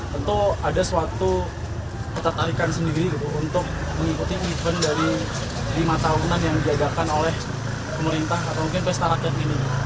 tentu ada suatu ketertarikan sendiri gitu untuk mengikuti event dari lima tahunan yang diadakan oleh pemerintah atau mungkin pesta rakyat ini